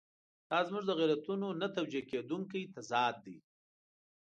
دا زموږ د غیرتونو نه توجیه کېدونکی تضاد دی.